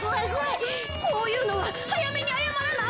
こういうのははやめにあやまらなあかんよな！